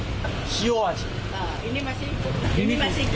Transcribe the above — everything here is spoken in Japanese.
塩味。